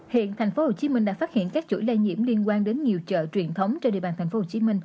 hiện thành phố hồ chí minh đã phát hiện các chuỗi lai nhiễm liên quan đến nhiều chợ truyền thống trên địa bàn tp hcm